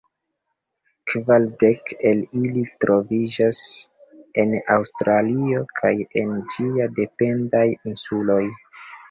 Kvar dek el ili troviĝas en Aŭstralio kaj en ĝiaj dependaj insuloj.